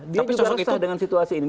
dia juga resah dengan situasi ini